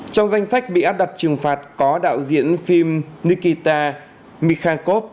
trong danh sách bị áp đặt trừng phạt có đạo diễn phim nikita mikhalkov